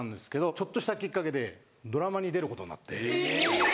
ちょっとしたきっかけでドラマに出ることになって。